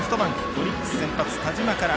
オリックス先発、田嶋から。